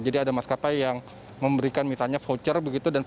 jadi ada maskapai yang memberikan misalnya voucher begitu